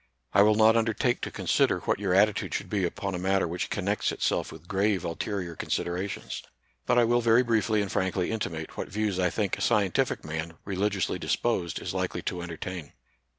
I will not undertake to consider what your attitude should be upon a matter which connects itself with grave ulterior considerations ; but I will very briefly and frank ly intimate what views I think a scientific man, religiously disposed, is likely to entertain.